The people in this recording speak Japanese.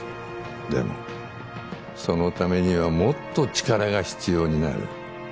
でもそのためにはもっと力が必要になる。